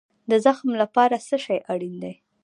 د زغم لپاره څه شی اړین دی؟